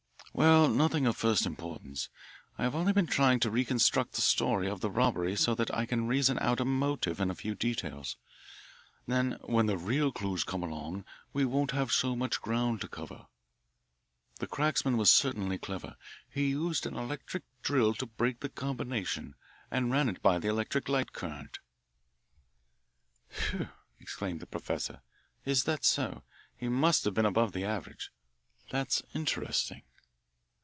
"Well, nothing of first importance. I have only been trying to reconstruct the story of the robbery so that I can reason out a motive and a few details; then when the real clues come along we won't have so much ground to cover. The cracksman was certainly clever. He used an electric drill to break the combination and ran it by the electric light current." "Whew!" exclaimed the professor, "is that so? He must have been above the average. That's interesting."